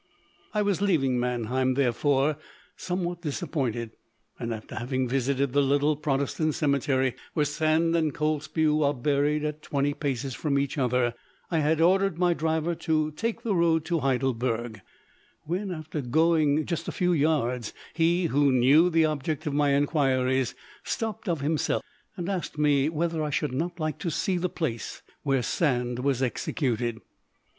I was leaving Mannheim, therefore, somewhat disappointed, and after having visited the little Protestant cemetery where Sand and Kotzebue are buried at twenty paces from each other, I had ordered my driver to take the road to Heidelberg, when, after going a few yards, he, who knew the object of my inquiries, stopped of himself and asked me whether I should not like to see the place where Sand was executed.